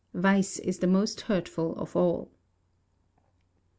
[VICE IS THE MOST HURTFUL OF ALL.